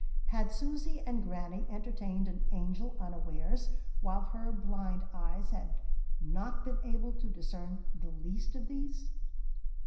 Had Susy and Granny entertained an angel unawares, while her blind eyes had not been able to discern "the least of these?"